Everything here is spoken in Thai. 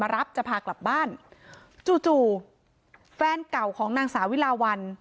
รับจะพากลับบ้านจู่จู่แฟนเก่าของนางสาวิลาวัน